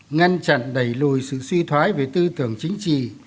ngăn chặn đẩy lùi sự suy thoái về tư tưởng chính trị